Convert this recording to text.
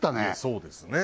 そうですね